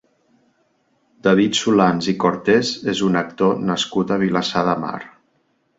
David Solans i Cortés és un actor nascut a Vilassar de Mar.